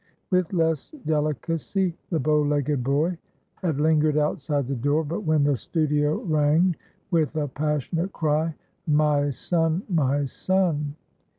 With less delicacy, the bow legged boy had lingered outside the door, but when the studio rang with a passionate cry,—"My son! my son!"